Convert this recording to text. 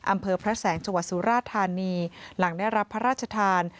อำเภอพระแสงจังหวัดสุราธานีหลังได้รับพระราชทาน